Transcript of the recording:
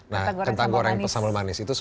nah kentang goreng sambal manis itu